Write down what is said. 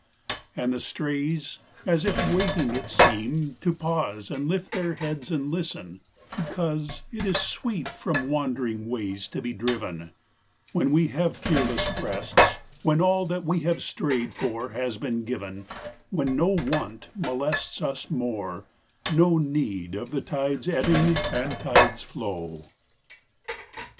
And the strays as if waiting it seem to pause And lift their heads and listen because It is sweet from wandering ways to be driven, When we have fearless breasts, When all that we strayed for has been given, When no want molests Us more no need of the tide's ebbing And tide's flow.